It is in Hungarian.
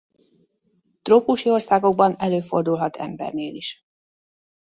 Trópusi országokban előfordulhat embernél is.